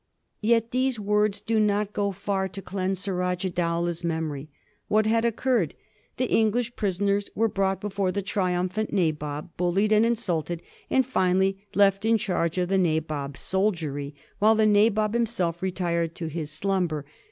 Yet these words do not go far to cleanse Sura jah Dowlah's memory. What had occurred ? The Eng lish prisoners were brought before the triumphant Nabob, bullied and insulted, and finally left in charge of the Na bob's soldiery, while the Nabob himself retired to slumber.